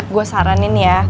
gue saranin ya